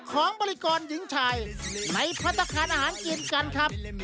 ของบริกรหญิงชายในพัฒนาคารอาหารกินกันครับ